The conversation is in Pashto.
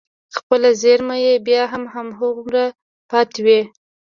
خپله زېرمه يې بيا هم هماغومره پاتې وي.